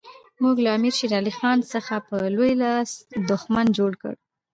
موږ له امیر شېر علي خان څخه په لوی لاس دښمن جوړ کړ.